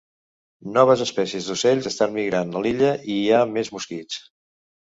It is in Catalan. Noves espècies d'ocells estan migrant a l'illa i hi ha més mosquits.